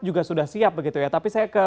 juga sudah siap begitu ya tapi saya ke